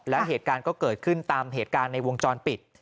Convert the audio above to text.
แล้วเหตุการณ์ก็เกิดขึ้นตามเหตุการณ์ในวงจรปิด